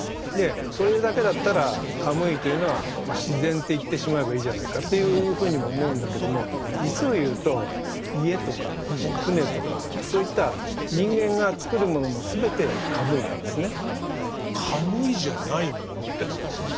これだけだったらカムイというのは「自然」って言ってしまえばいいじゃないかというふうにも思うんだけども実を言うと家とか舟とかそういった人間が作るものも全てカムイなんですね。